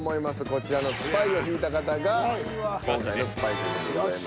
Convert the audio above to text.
こちらの「スパイ」を引いた方が今回のスパイという事でございます。